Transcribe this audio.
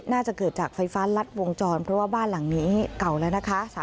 น่าจะเกิดจากไฟฟ้ารัดวงจรเพราะว่าบ้านหลังนี้เก่าแล้วนะคะ